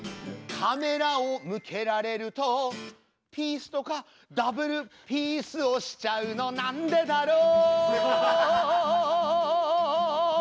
カメラを向けられるとピースとかダブルピースをしちゃうのなんでだろう。